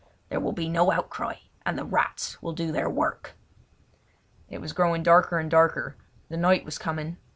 There will be no outcry, and the rats will do their work!" It was growing darker and darker; the night was coming.